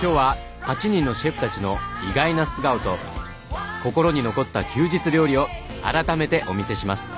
今日は８人のシェフたちの意外な素顔と心に残った休日料理をあらためてお見せします。